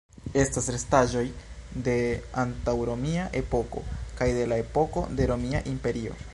Estas restaĵoj de antaŭromia epoko kaj de la epoko de Romia Imperio.